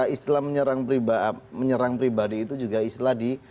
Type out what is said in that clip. istilah menyerang pribadi itu juga istilah di